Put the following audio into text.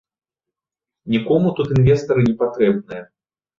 Нікому тут інвестары не патрэбныя!